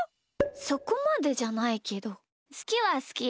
そこまでじゃないけどすきはすき。